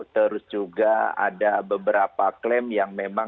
terus juga ada beberapa klaim yang memang